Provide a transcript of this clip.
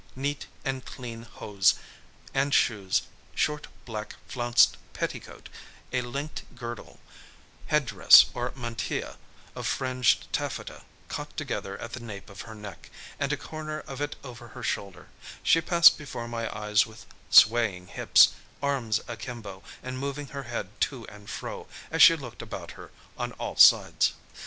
Neat and clean hose and shoes, short, black flounced petticoat, a linked girdle, head dress or mantilla of fringed taffeta caught together at the nape of her neck, and a corner of it over her shoulder, she passed before my eyes with swaying hips, arms akimbo, and moving her head to and fro as she looked about her on all sides.